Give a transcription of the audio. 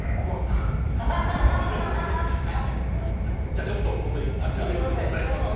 じゃあちょっとホントに夏の魅力をお伝えします。